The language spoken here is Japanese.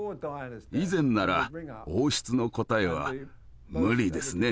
以前なら王室の答えは「無理ですね。